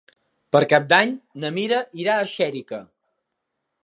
Per Cap d'Any na Mira irà a Xèrica.